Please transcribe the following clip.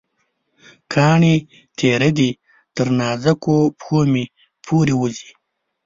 کاڼې تېره دي، تر نازکو پښومې پورې وځي